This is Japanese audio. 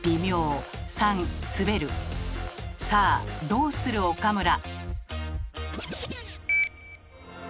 さあどうする岡村。